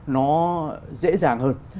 nó dễ dàng hơn